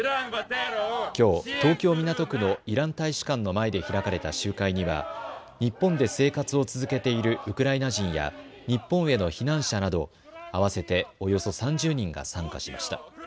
きょう東京港区のイラン大使館の前で開かれた集会には日本で生活を続けているウクライナ人や日本への避難者など合わせておよそ３０人が参加しました。